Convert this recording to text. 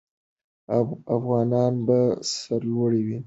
افغانان به سرلوړي وي.